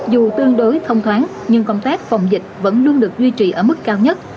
dù tương đối thông thoáng nhưng công tác phòng dịch vẫn luôn được duy trì ở mức cao nhất